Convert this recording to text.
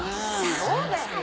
そうだよね。